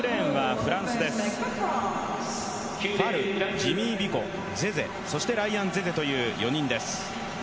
ファル、ジミー・ビコ、ゼゼそしてライアン・ゼゼという４人です。